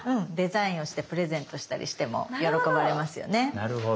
なるほど。